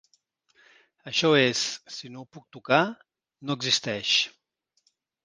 Això és, si no ho puc tocar, no existeix.